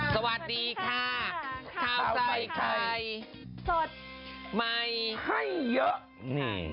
สวัสดีค่ะข้าวใส่ไข่สดใหม่ให้เยอะนี่